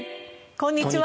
こんにちは。